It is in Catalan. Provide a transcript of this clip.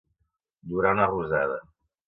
Durar una rosada.